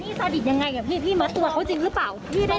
ที่สะดิดของมัดตัวหรือเปล่า